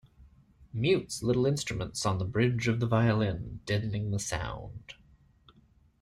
Mutes little instruments on the bridge of the violin, deadening the sound.